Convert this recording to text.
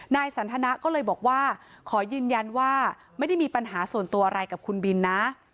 นายสันทนะก็เลยบอกว่าขอยืนยันว่าไม่ได้มีปัญหาส่วนตัวอะไรกับคุณบินนะ